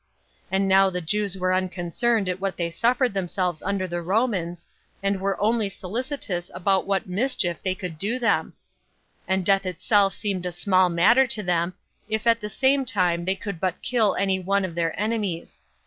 And now the Jews were unconcerned at what they suffered themselves from the Romans, and were only solicitous about what mischief they could do them; and death itself seemed a small matter to them, if at the same time they could but kill any one of their enemies.